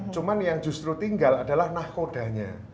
cuma yang justru tinggal adalah nahkodanya